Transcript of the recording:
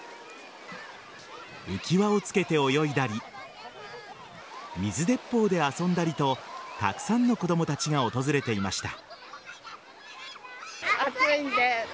浮き輪をつけて泳いだり水鉄砲で遊んだりとたくさんの子供たちが訪れていました。